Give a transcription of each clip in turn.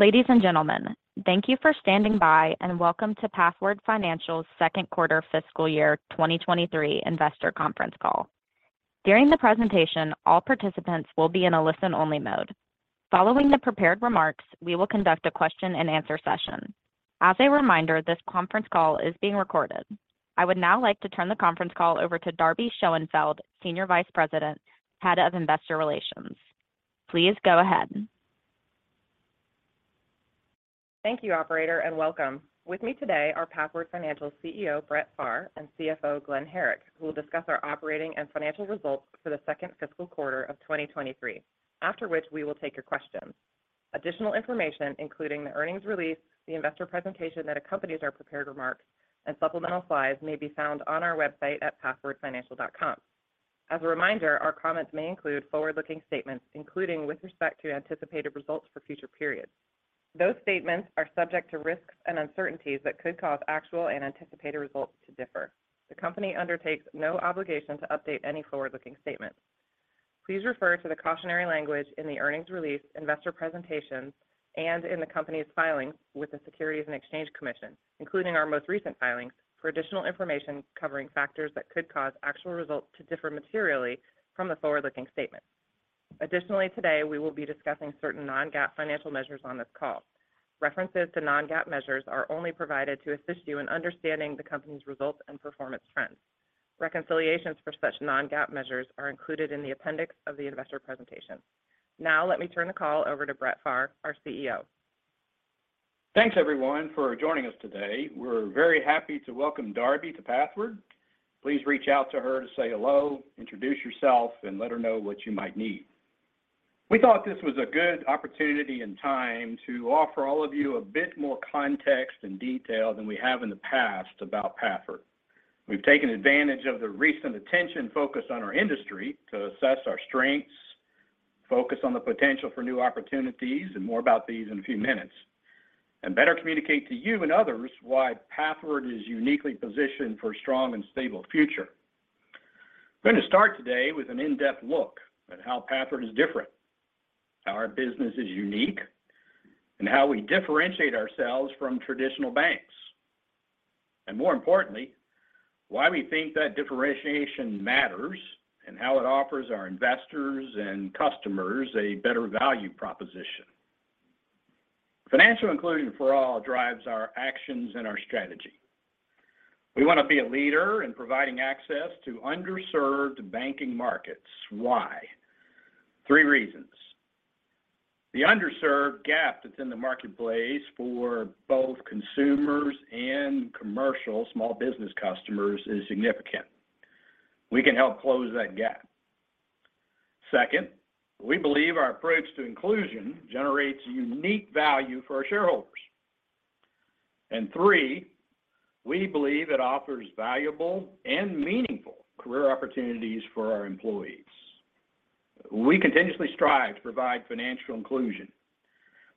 Ladies and gentlemen, thank you for standing by and welcome to Pathward Financial's second quarter fiscal year 2023 investor conference call. During the presentation, all participants will be in a listen-only mode. Following the prepared remarks, we will conduct a question and answer session. As a reminder, this conference call is being recorded. I would now like to turn the conference call over to Darby Schoenfeld, Senior Vice President, Head of Investor Relations. Please go ahead. Thank you, operator, and welcome. With me today are Pathward Financial's CEO, Brett Pharr, and CFO, Glen Herrick, who will discuss our operating and financial results for the second fiscal quarter of 2023. After which, we will take your questions. Additional information, including the earnings release, the investor presentation that accompanies our prepared remarks, and supplemental slides may be found on our website at pathwardfinancial.com. As a reminder, our comments may include forward-looking statements, including with respect to anticipated results for future periods. Those statements are subject to risks and uncertainties that could cause actual and anticipated results to differ. The company undertakes no obligation to update any forward-looking statements. Please refer to the cautionary language in the earnings release, investor presentations, and in the company's filings with the Securities and Exchange Commission, including our most recent filings for additional information covering factors that could cause actual results to differ materially from the forward-looking statement. Additionally, today, we will be discussing certain non-GAAP financial measures on this call. References to non-GAAP measures are only provided to assist you in understanding the company's results and performance trends. Reconciliations for such non-GAAP measures are included in the appendix of the investor presentation. Now let me turn the call over to Brett Pharr, our CEO. Thanks everyone for joining us today. We're very happy to welcome Darby to Pathward. Please reach out to her to say hello, introduce yourself, and let her know what you might need. We thought this was a good opportunity and time to offer all of you a bit more context and detail than we have in the past about Pathward. We've taken advantage of the recent attention focused on our industry to assess our strengths, focus on the potential for new opportunities, and more about these in a few minutes, and better communicate to you and others why Pathward is uniquely positioned for a strong and stable future. I'm going to start today with an in-depth look at how Pathward is different, how our business is unique, and how we differentiate ourselves from traditional banks. More importantly, why we think that differentiation matters and how it offers our investors and customers a better value proposition. Financial inclusion for all drives our actions and our strategy. We want to be a leader in providing access to underserved banking markets. Why? Three reasons. The underserved gap that's in the marketplace for both consumers and commercial small business customers is significant. We can help close that gap. Second, we believe our approach to inclusion generates unique value for our shareholders. Three, we believe it offers valuable and meaningful career opportunities for our employees. We continuously strive to provide financial inclusion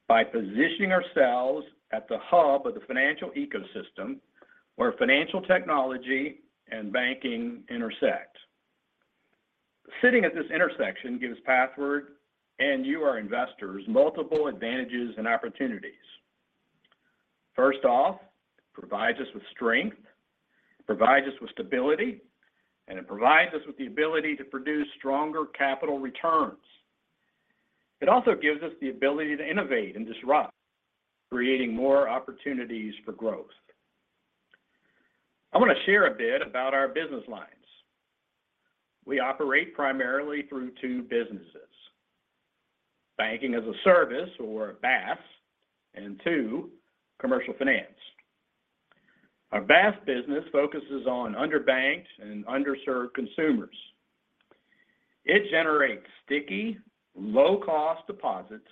by positioning ourselves at the hub of the financial ecosystem where financial technology and banking intersect. Sitting at this intersection gives Pathward and you, our investors, multiple advantages and opportunities. First off, it provides us with strength, it provides us with stability, and it provides us with the ability to produce stronger capital returns. It also gives us the ability to innovate and disrupt, creating more opportunities for growth. I want to share a bit about our business lines. We operate primarily through two businesses. Banking-as-a-service or BaaS, and two, commercial finance. Our BaaS business focuses on underbanked and underserved consumers. It generates sticky, low-cost deposits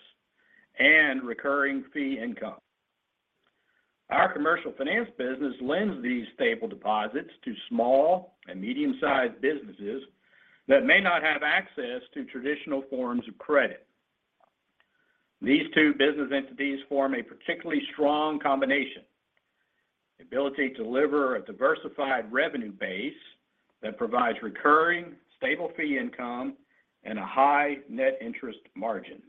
and recurring fee income. Our commercial finance business lends these stable deposits to small and medium-sized businesses that may not have access to traditional forms of credit. These two business entities form a particularly strong combination. The ability to deliver a diversified revenue base that provides recurring, stable fee income and a high net interest margin.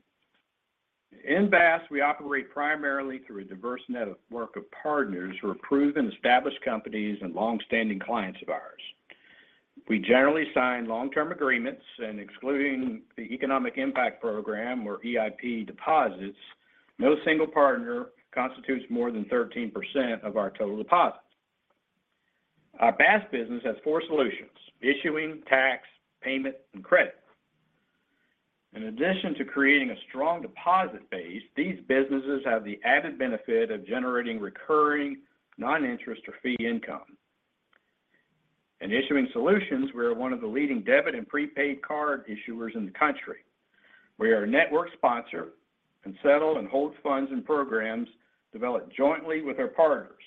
In BaaS, we operate primarily through a diverse network of partners who are proven, established companies and long-standing clients of ours. We generally sign long-term agreements and excluding the Economic Impact Payment or EIP deposits, no single partner constitutes more than 13% of our total deposits. Our BaaS business has four solutions: issuing, tax, payment, and credit. In addition to creating a strong deposit base, these businesses have the added benefit of generating recurring non-interest or fee income. In issuing solutions, we are one of the leading debit and prepaid card issuers in the country. We are a network sponsor and settle and hold funds and programs developed jointly with our partners.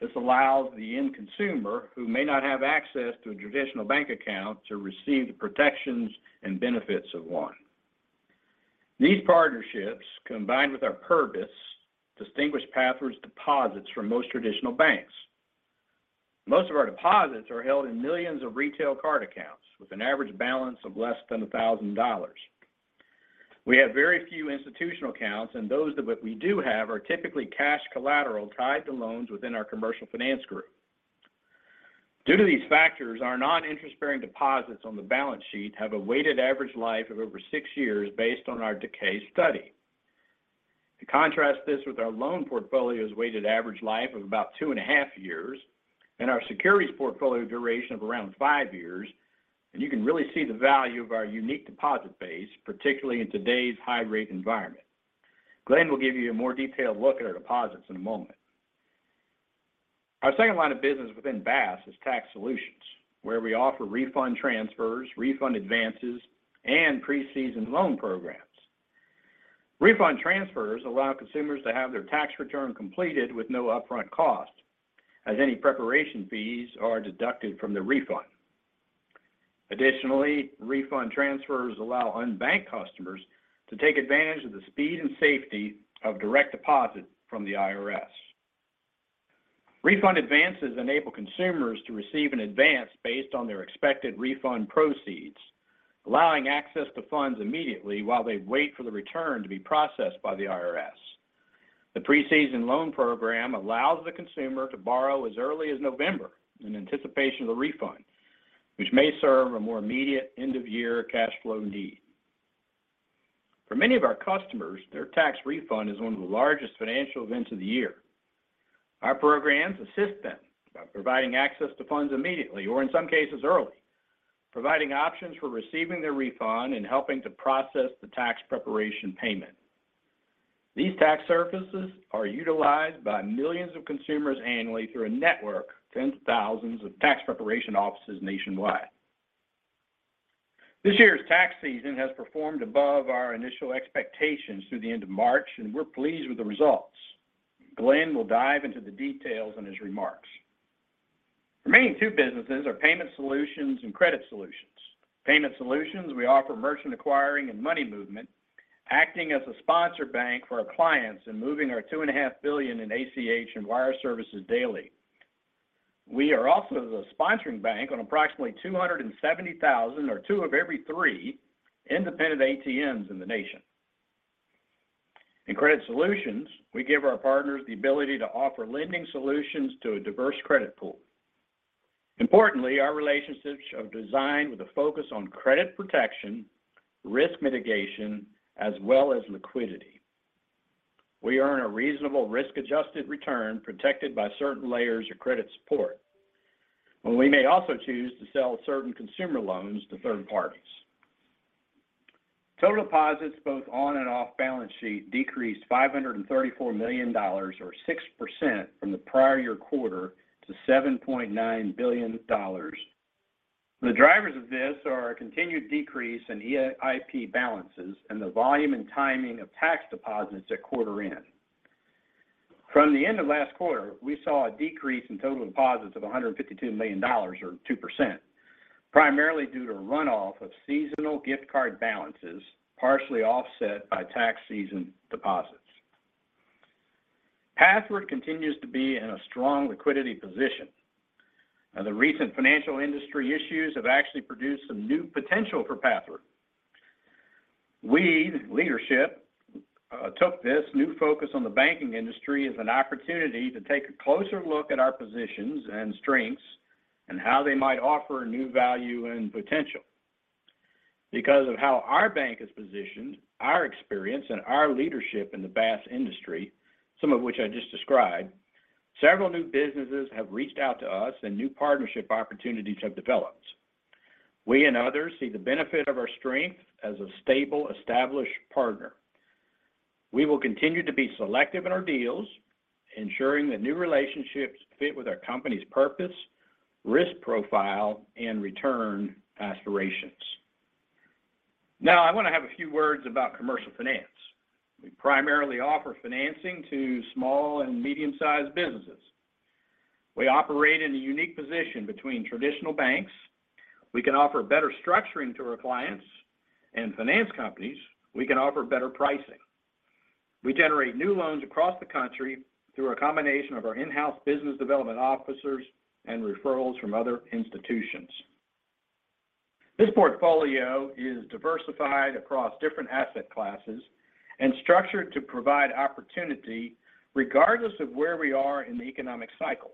This allows the end consumer who may not have access to a traditional bank account to receive the protections and benefits of one. These partnerships, combined with our purpose, distinguish Pathward's deposits from most traditional banks. Most of our deposits are held in millions of retail card accounts with an average balance of less than $1,000. We have very few institutional accounts, and those that we do have are typically cash collateral tied to loans within our commercial finance group. Due to these factors, our non-interest-bearing deposits on the balance sheet have a weighted average life of over six years based on our decay study. To contrast this with our loan portfolio's weighted average life of about 2.5 years and our securities portfolio duration of around five years, and you can really see the value of our unique deposit base, particularly in today's high-rate environment. Glen will give you a more detailed look at our deposits in a moment. Our second line of business within BaaS is tax solutions, where we offer refund transfers, refund advances, and pre-season loan programs. Refund transfers allow consumers to have their tax return completed with no upfront cost, as any preparation fees are deducted from the refund. Additionally, refund transfers allow unbanked customers to take advantage of the speed and safety of direct deposit from the IRS. Refund advances enable consumers to receive an advance based on their expected refund proceeds, allowing access to funds immediately while they wait for the return to be processed by the IRS. The pre-season loan program allows the consumer to borrow as early as November in anticipation of the refund, which may serve a more immediate end-of-year cash flow need. For many of our customers, their tax refund is one of the largest financial events of the year. Our programs assist them by providing access to funds immediately, or in some cases early, providing options for receiving their refund and helping to process the tax preparation payment. These tax services are utilized by millions of consumers annually through a network of tens of thousands of tax preparation offices nationwide. This year's tax season has performed above our initial expectations through the end of March, and we're pleased with the results. Glen will dive into the details in his remarks. The remaining two businesses are payment solutions and credit solutions. Payment solutions, we offer merchant acquiring and money movement, acting as a sponsor bank for our clients and moving our $2.5 billion in ACH and wire services daily. We are also the sponsoring bank on approximately 270,000, or two of every three, independent ATMs in the nation. In credit solutions, we give our partners the ability to offer lending solutions to a diverse credit pool. Importantly, our relationships are designed with a focus on credit protection, risk mitigation, as well as liquidity. We earn a reasonable risk-adjusted return protected by certain layers of credit support, and we may also choose to sell certain consumer loans to third parties. Total deposits, both on and off balance sheet, decreased $534 million, or 6% from the prior year quarter to $7.9 billion. The drivers of this are a continued decrease in EIP balances and the volume and timing of tax deposits at quarter end. From the end of last quarter, we saw a decrease in total deposits of $152 million, or 2%, primarily due to runoff of seasonal gift card balances, partially offset by tax season deposits. Pathward continues to be in a strong liquidity position. The recent financial industry issues have actually produced some new potential for Pathward. We, the leadership, took this new focus on the banking industry as an opportunity to take a closer look at our positions and strengths and how they might offer new value and potential. Because of how our bank is positioned, our experience, and our leadership in the BaaS industry, some of which I just described, several new businesses have reached out to us and new partnership opportunities have developed. We and others see the benefit of our strength as a stable, established partner. We will continue to be selective in our deals, ensuring that new relationships fit with our company's purpose, risk profile, and return aspirations. I want to have a few words about commercial finance. We primarily offer financing to small and medium-sized businesses. We operate in a unique position between traditional banks. We can offer better structuring to our clients and finance companies. We can offer better pricing. We generate new loans across the country through a combination of our in-house business development officers and referrals from other institutions. This portfolio is diversified across different asset classes and structured to provide opportunity regardless of where we are in the economic cycle.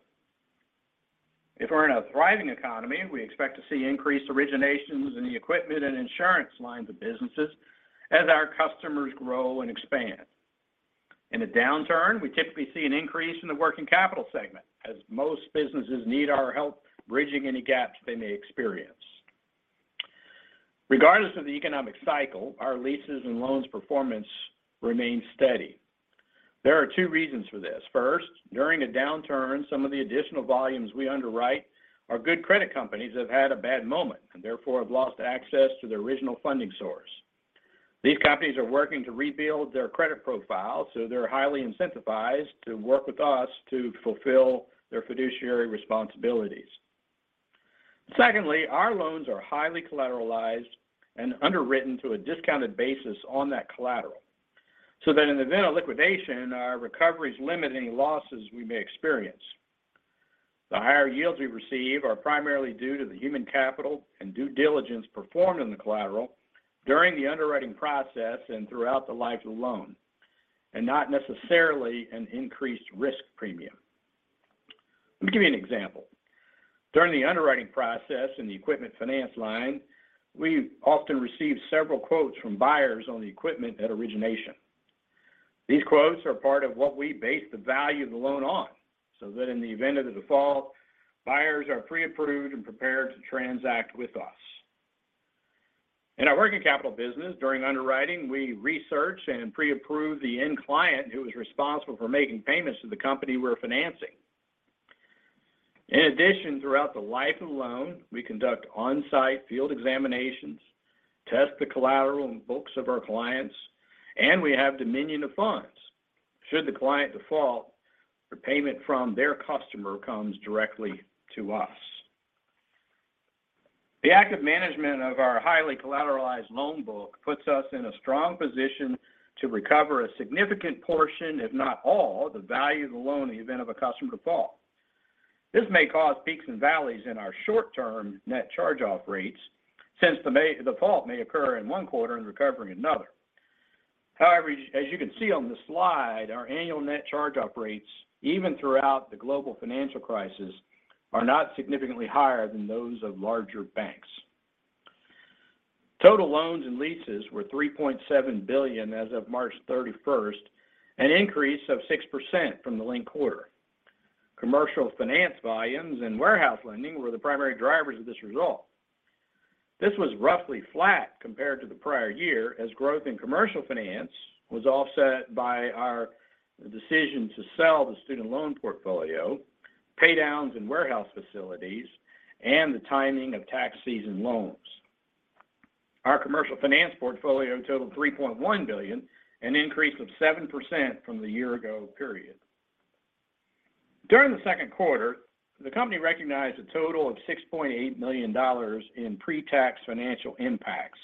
If we're in a thriving economy, we expect to see increased originations in the equipment and insurance lines of businesses as our customers grow and expand. In a downturn, we typically see an increase in the working capital segment as most businesses need our help bridging any gaps they may experience. Regardless of the economic cycle, our leases and loans performance remains steady. There are two reasons for this. First, during a downturn, some of the additional volumes we underwrite are good credit companies that have had a bad moment and therefore have lost access to their original funding source. These companies are working to rebuild their credit profile, so they're highly incentivized to work with us to fulfill their fiduciary responsibilities. Secondly, our loans are highly collateralized and underwritten to a discounted basis on that collateral so that in the event of liquidation, our recovery is limiting losses we may experience. The higher yields we receive are primarily due to the human capital and due diligence performed on the collateral during the underwriting process and throughout the life of the loan, and not necessarily an increased risk premium. Let me give you an example. During the underwriting process in the equipment finance line, we often receive several quotes from buyers on the equipment at origination. These quotes are part of what we base the value of the loan on, so that in the event of the default, buyers are pre-approved and prepared to transact with us. In our working capital business during underwriting, we research and pre-approve the end client who is responsible for making payments to the company we're financing. In addition, throughout the life of the loan, we conduct on-site field examinations, test the collateral and books of our clients, and we have dominion of funds. Should the client default, the payment from their customer comes directly to us. The active management of our highly collateralized loan book puts us in a strong position to recover a significant portion, if not all, the value of the loan in the event of a customer default. This may cause peaks and valleys in our short-term net charge-off rates since the default may occur in one quarter and recovery in another. As you can see on the slide, our annual net charge-off rates, even throughout the global financial crisis, are not significantly higher than those of larger banks. Total loans and leases were $3.7 billion as of March 31st, an increase of 6% from the linked quarter. Commercial finance volumes and warehouse lending were the primary drivers of this result. This was roughly flat compared to the prior year as growth in commercial finance was offset by our decision to sell the student loan portfolio, pay downs in warehouse facilities, and the timing of tax season loans. Our commercial finance portfolio totaled $3.1 billion, an increase of 7% from the year ago period. During the second quarter, the company recognized a total of $6.8 million in pre-tax financial impacts.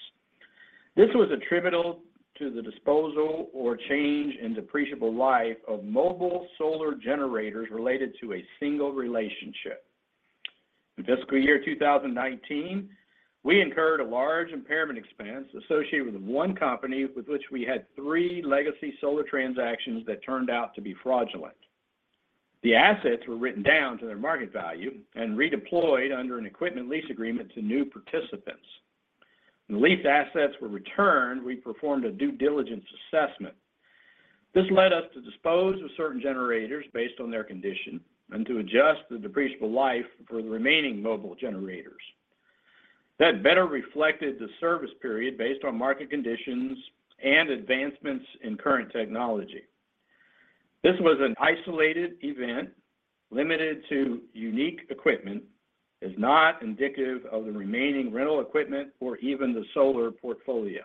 This was attributable to the disposal or change in depreciable life of mobile solar generators related to a single relationship. In fiscal year 2019, we incurred a large impairment expense associated with one company with which we had three legacy solar transactions that turned out to be fraudulent. The assets were written down to their market value and redeployed under an equipment lease agreement to new participants. When the leased assets were returned, we performed a due diligence assessment. This led us to dispose of certain generators based on their condition and to adjust the depreciable life for the remaining mobile generators. That better reflected the service period based on market conditions and advancements in current technology. This was an isolated event limited to unique equipment, is not indicative of the remaining rental equipment or even the solar portfolio.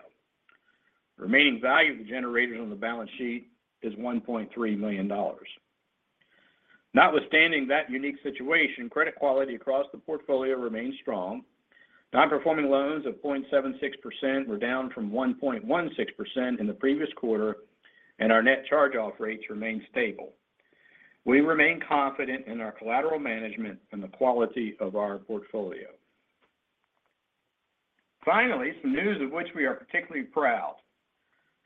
Remaining value of the generators on the balance sheet is $1.3 million. Notwithstanding that unique situation, credit quality across the portfolio remains strong. Non-performing loans of 0.76% were down from 1.16% in the previous quarter. Our net charge-off rates remain stable. We remain confident in our collateral management and the quality of our portfolio. Finally, some news of which we are particularly proud.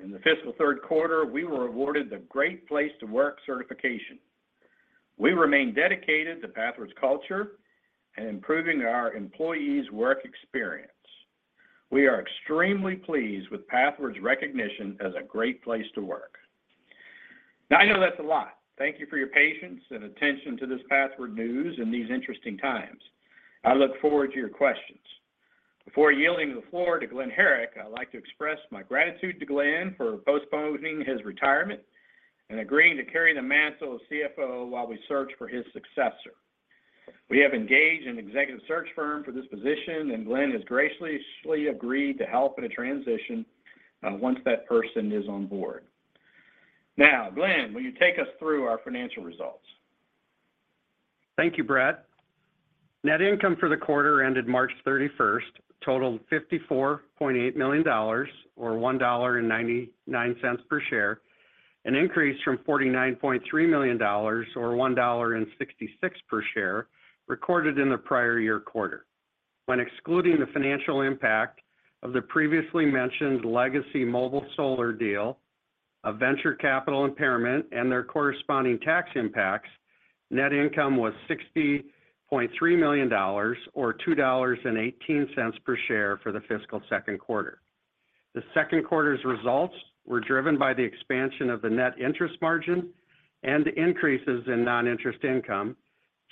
In the fiscal third quarter, we were awarded the Great Place to Work certification. We remain dedicated to Pathward's culture and improving our employees' work experience. We are extremely pleased with Pathward's recognition as a Great Place to Work. Now, I know that's a lot. Thank you for your patience and attention to this Pathward news in these interesting times. I look forward to your questions. Before yielding the floor to Glen Herrick, I'd like to express my gratitude to Glen for postponing his retirement and agreeing to carry the mantle of CFO while we search for his successor. We have engaged an executive search firm for this position, and Glen has graciously agreed to help in a transition once that person is on board. Glen, will you take us through our financial results? Thank you, Brett. Net income for the quarter ended March 31 totaled $54.8 million or $1.99 per share, an increase from $49.3 million or $1.66 per share recorded in the prior year quarter. When excluding the financial impact of the previously mentioned legacy mobile solar deal, a venture capital impairment, and their corresponding tax impacts, net income was $60.3 million or $2.18 per share for the fiscal second quarter. The second quarter's results were driven by the expansion of the net interest margin and increases in non-interest income,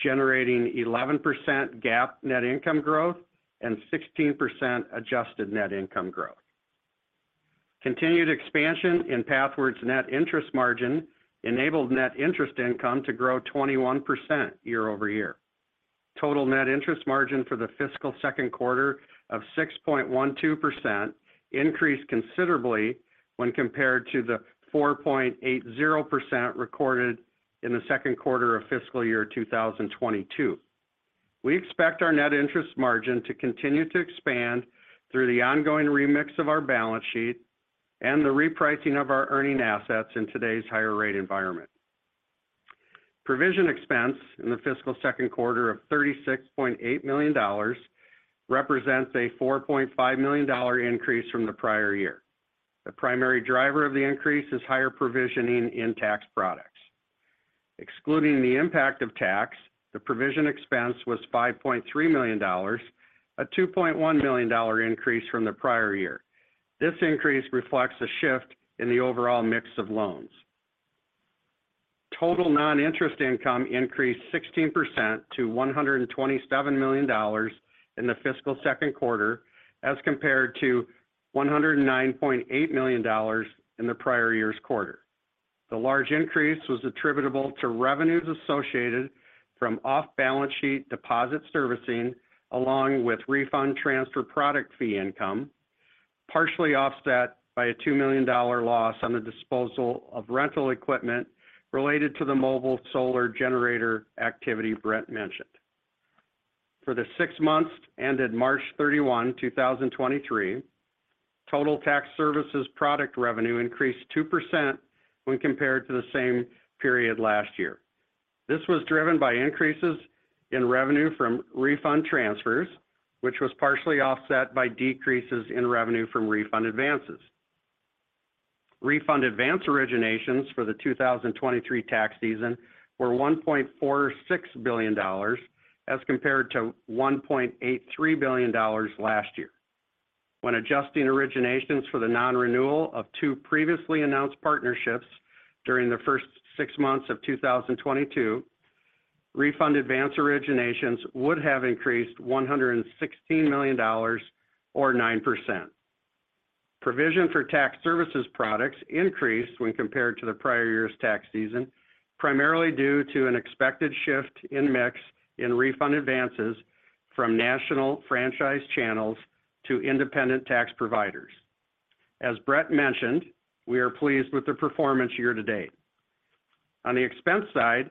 generating 11% GAAP net income growth and 16% adjusted net income growth. Continued expansion in Pathward's net interest margin enabled net interest income to grow 21% year-over-year. Total net interest margin for the fiscal second quarter of 6.12% increased considerably when compared to the 4.80% recorded in the second quarter of fiscal year 2022. We expect our net interest margin to continue to expand through the ongoing remix of our balance sheet and the repricing of our earning assets in today's higher rate environment. Provision expense in the fiscal second quarter of $36.8 million represents a $4.5 million increase from the prior year. The primary driver of the increase is higher provisioning in tax products. Excluding the impact of tax, the provision expense was $5.3 million, a $2.1 million increase from the prior year. This increase reflects a shift in the overall mix of loans. Total non-interest income increased 16% to $127 million in the fiscal second quarter as compared to $109.8 million in the prior year's quarter. The large increase was attributable to revenues associated from off-balance sheet deposit servicing along with refund transfer product fee income, partially offset by a $2 million loss on the disposal of rental equipment related to the mobile solar generator activity Brett mentioned. For the six months ended March 31, 2023, total tax services product revenue increased 2% when compared to the same period last year. This was driven by increases in revenue from refund transfers, which was partially offset by decreases in revenue from refund advances. Refund advance originations for the 2023 tax season were $1.46 billion as compared to $1.83 billion last year. When adjusting originations for the non-renewal of two previously announced partnerships during the first six months of 2022, refund advance originations would have increased $116 million or 9%. Provision for tax services products increased when compared to the prior year's tax season, primarily due to an expected shift in mix in refund advances from national franchise channels to independent tax providers. As Brett mentioned, we are pleased with the performance year to date. On the expense side,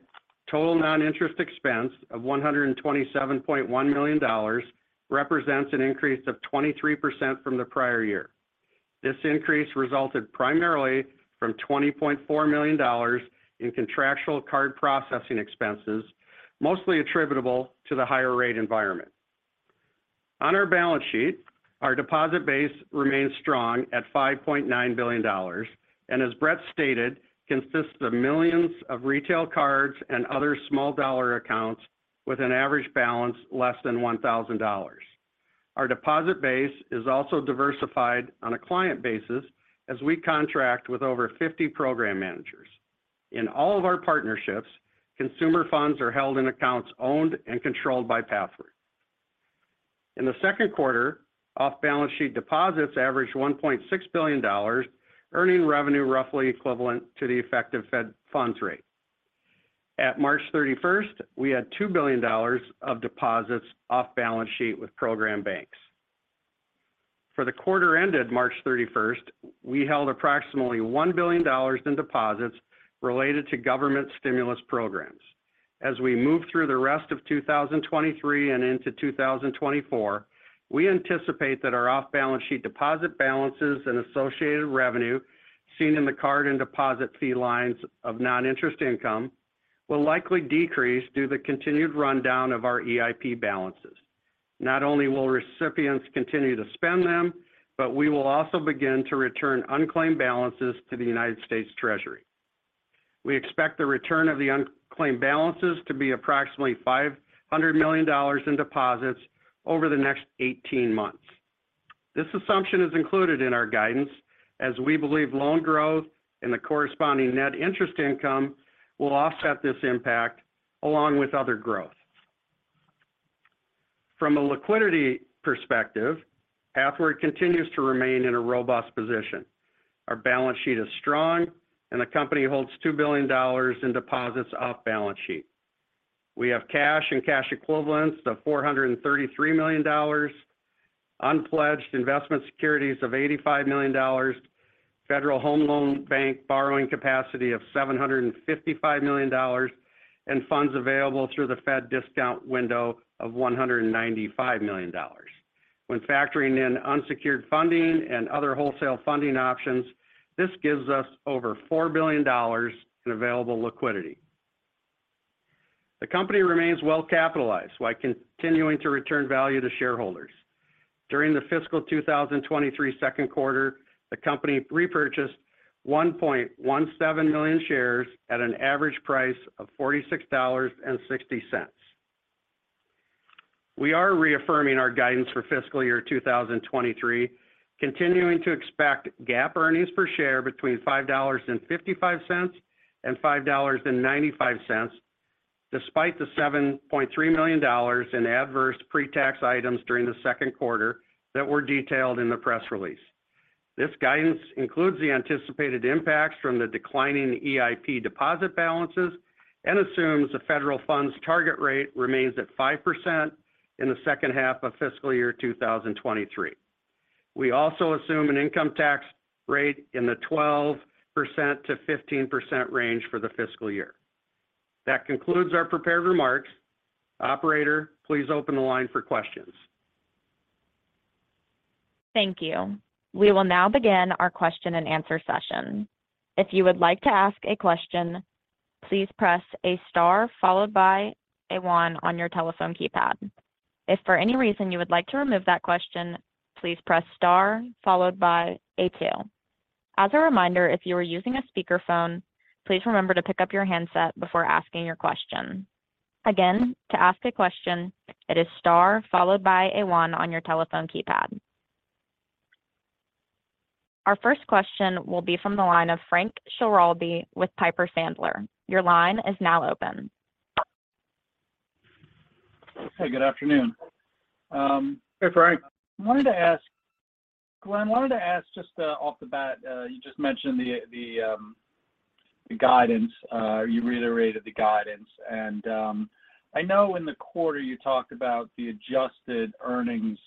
total non-interest expense of $127.1 million represents an increase of 23% from the prior year. This increase resulted primarily from $20.4 million in contractual card processing expenses, mostly attributable to the higher rate environment. On our balance sheet, our deposit base remains strong at $5.9 billion, and as Brett stated, consists of millions of retail cards and other small dollar accounts with an average balance less than $1,000. Our deposit base is also diversified on a client basis as we contract with over 50 program managers. In all of our partnerships, consumer funds are held in accounts owned and controlled by Pathward. In the second quarter, off-balance sheet deposits averaged $1.6 billion, earning revenue roughly equivalent to the effective federal funds rate. At March 31st, we had $2 billion of deposits off-balance sheet with program banks. For the quarter ended March 31st, we held approximately $1 billion in deposits related to government stimulus programs. As we move through the rest of 2023 and into 2024, we anticipate that our off-balance sheet deposit balances and associated revenue seen in the card and deposit fee lines of non-interest income will likely decrease due to the continued rundown of our EIP balances. Not only will recipients continue to spend them, but we will also begin to return unclaimed balances to the United States Treasury. We expect the return of the unclaimed balances to be approximately $500 million in deposits over the next 18 months. This assumption is included in our guidance as we believe loan growth and the corresponding net interest income will offset this impact along with other growth. From a liquidity perspective, Pathward continues to remain in a robust position. Our balance sheet is strong and the company holds $2 billion in deposits off balance sheet. We have cash and cash equivalents of $433 million, unpledged investment securities of $85 million, Federal Home Loan Bank borrowing capacity of $755 million, and funds available through the Fed discount window of $195 million. When factoring in unsecured funding and other wholesale funding options, this gives us over $4 billion in available liquidity. The company remains well-capitalized while continuing to return value to shareholders. During the fiscal 2023 second quarter, the company repurchased 1.17 million shares at an average price of $46.60. We are reaffirming our guidance for fiscal year 2023, continuing to expect GAAP earnings per share between $5.55 and $5.95 despite the $7.3 million in adverse pre-tax items during the second quarter that were detailed in the press release. This guidance includes the anticipated impacts from the declining EIP deposit balances and assumes the federal funds target rate remains at 5% in the second half of fiscal year 2023. We also assume an income tax rate in the 12%-15% range for the fiscal year. That concludes our prepared remarks. Operator, please open the line for questions. Thank you. We will now begin our question and answer session. If you would like to ask a question, please press a star followed by a one on your telephone keypad. If for any reason you would like to remove that question, please press star followed by a two. As a reminder, if you are using a speakerphone, please remember to pick up your handset before asking your question. Again, to ask a question, it is star followed by a one on your telephone keypad. Our first question will be from the line of Frank Schiraldi with Piper Sandler. Your line is now open. Hey, good afternoon. Hey, Frank. Glen, I wanted to ask just off the bat, you just mentioned the guidance, you reiterated the guidance. I know in the quarter you talked about the adjusted earnings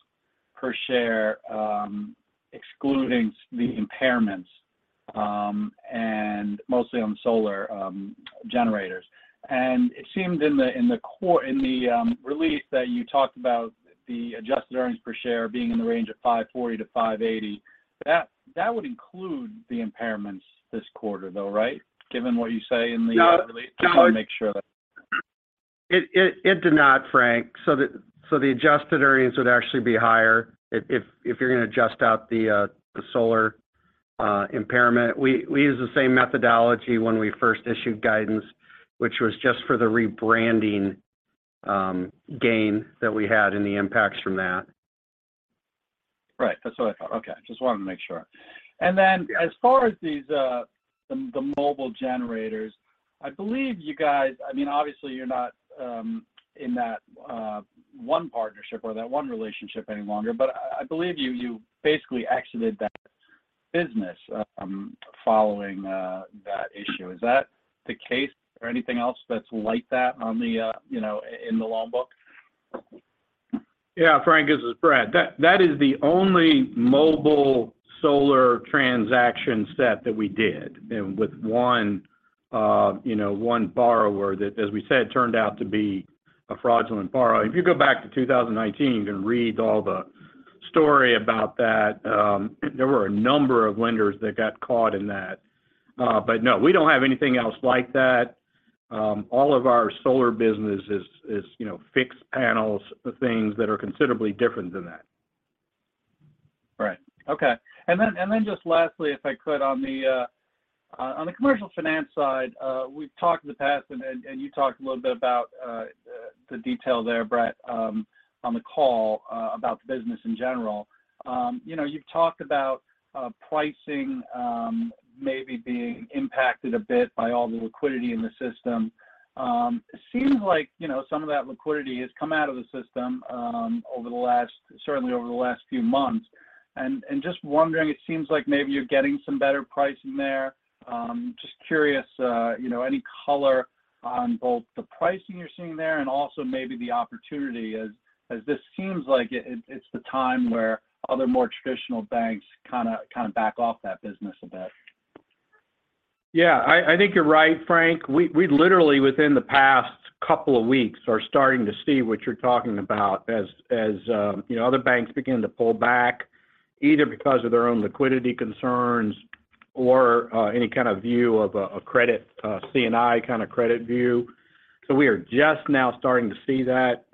per share, excluding the impairments, and mostly on solar generators. It seemed in the release that you talked about the adjusted earnings per share being in the range of $5.40-$5.80. That would include the impairments this quarter, though, right? Given what you say in the release. No. No. Just wanna make sure that. It did not, Frank. The adjusted earnings would actually be higher if you're gonna adjust out the solar impairment. We used the same methodology when we first issued guidance, which was just for the rebranding gain that we had and the impacts from that. Right. That's what I thought. Okay. Just wanted to make sure. Yeah. As far as these, the mobile generators, I believe you guys, I mean, obviously you're not in that one partnership or that one relationship any longer, but I believe you basically exited that business, following that issue. Is that the case or anything else that's like that on the, you know, in the loan book? Yeah, Frank, this is Brett. That is the only mobile solar transaction set that we did. With one, you know, one borrower that, as we said, turned out to be a fraudulent borrower. If you go back to 2018, you can read all the story about that. There were a number of lenders that got caught in that. No, we don't have anything else like that. All of our solar business is, you know, fixed panels, the things that are considerably different than that. Right. Okay. Then just lastly, if I could on the commercial finance side, we've talked in the past and you talked a little bit about the detail there, Brett, on the call, about the business in general. You know, you've talked about pricing, maybe being impacted a bit by all the liquidity in the system. Seems like, you know, some of that liquidity has come out of the system, over the last, certainly over the last few months. Just wondering, it seems like maybe you're getting some better pricing there. Just curious, you know, any color on both the pricing you're seeing there and also maybe the opportunity as this seems like it's the time where other more traditional banks kinda back off that business a bit. I think you're right, Frank. We literally within the past couple of weeks are starting to see what you're talking about as, you know, other banks begin to pull back either because of their own liquidity concerns or, any kind of view of a credit, C&I kinda credit view. We are just now starting to see that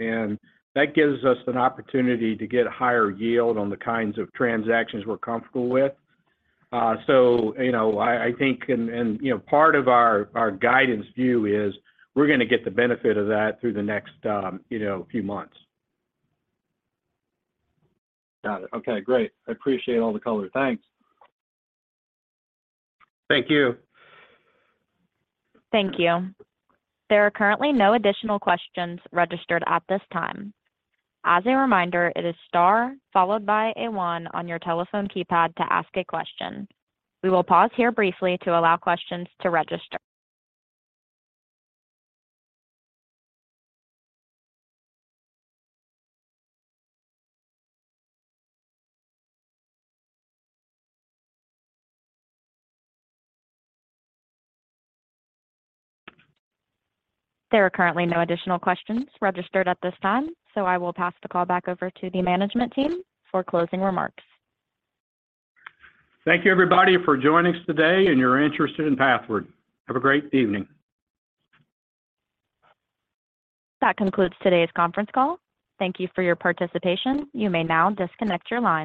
gives us an opportunity to get higher yield on the kinds of transactions we're comfortable with. I think and, you know, part of our guidance view is we're gonna get the benefit of that through the next, you know, few months. Got it. Okay, great. I appreciate all the color. Thanks. Thank you. Thank you. There are currently no additional questions registered at this time. As a reminder, it is star followed by a one on your telephone keypad to ask a question. We will pause here briefly to allow questions to register. There are currently no additional questions registered at this time. I will pass the call back over to the management team for closing remarks. Thank you, everybody, for joining us today and your interest in Pathward. Have a great evening. That concludes today's conference call. Thank you for your participation. You may now disconnect your line.